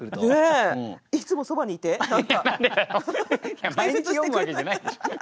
いや毎日読むわけじゃないでしょ。